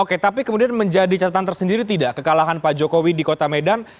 oke tapi kemudian menjadi catatan tersendiri tidak kekalahan pak jokowi di kota medan